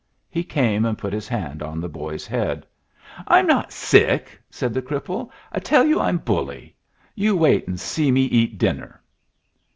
He came and put his hand on the boy's head. "I'm not sick," said the cripple. "I tell you I'm bully. You wait an' see me eat dinner."